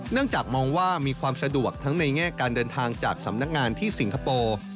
จากมองว่ามีความสะดวกทั้งในแง่การเดินทางจากสำนักงานที่สิงคโปร์